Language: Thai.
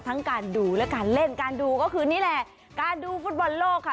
การดูและการเล่นการดูก็คือนี่แหละการดูฟุตบอลโลกค่ะ